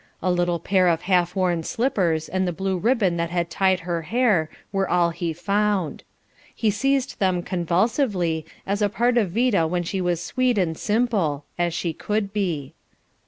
A little pair of half worn slippers, and the blue ribbon that had tied her hair were all he found. He seized them convulsively, as a part of Vida when she was sweet and simple as she could be.